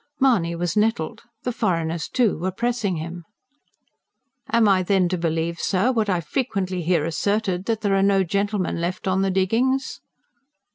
Mahony was nettled. The foreigners, too, were pressing him. "Am I then to believe, sir, what I frequently hear asserted, that there are no gentlemen left on the diggings?"